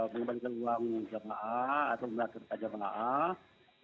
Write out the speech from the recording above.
mengembalikan uang jemaah atau mengerjakan jemaah